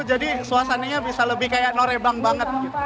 jadi suasananya bisa lebih kayak norebang